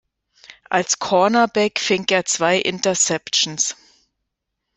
Als Cornerback fing er zwei Interceptions.